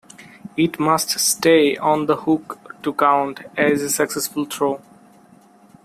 It must stay on the hook to count as a successful throw.